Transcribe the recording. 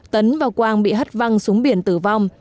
tấn và quang bị hất văng xuống biển tử vong